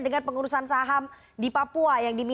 dengan pengurusan saham